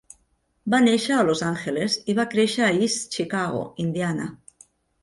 Va néixer a Los Angeles i va créixer a East Chicago, Indiana.